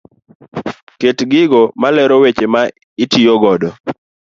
Ket gigo malero weche ma itiyo godo.